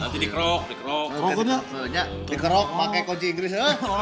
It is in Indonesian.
nanti dikerok keroknya dikerok pakai kunci inggris